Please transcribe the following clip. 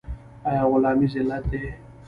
آیا غلامي ذلت دی؟